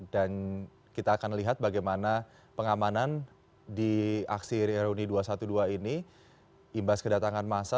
dan kita akan lihat bagaimana pengamanan di aksi reuni dua ratus dua belas ini imbas kedatangan masa